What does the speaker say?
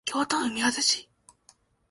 京都府宮津市